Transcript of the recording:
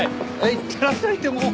「いってらっしゃい」ってもう。